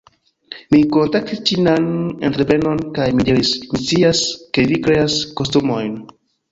- mi kontaktis ĉinan entreprenon kaj mi diris, "Mi scias, ke vi kreas kostumojn.